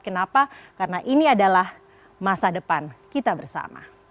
kenapa karena ini adalah masa depan kita bersama